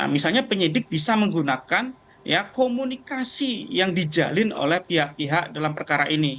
misalnya penyidik bisa menggunakan komunikasi yang dijalin oleh pihak pihak dalam perkara ini